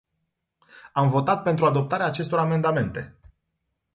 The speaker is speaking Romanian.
Am votat pentru adoptarea acestor amendamente.